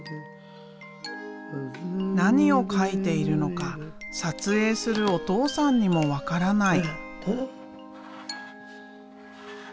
何を描いているのか撮影するお父さんにも分からない。